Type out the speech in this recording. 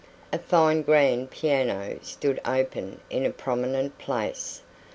A fine grand piano stood open in a prominent place.